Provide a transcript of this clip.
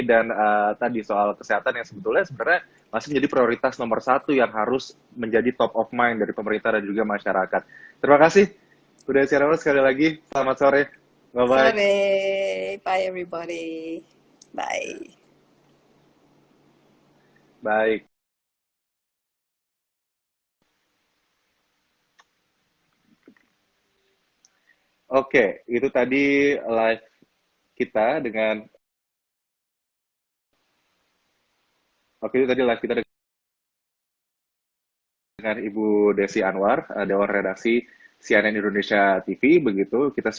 dan tadi soal kesehatan yang sebetulnya sebenarnya masih menjadi prioritas nomor satu yang harus menjadi top of mind dari pemerintah dan juga masyarakat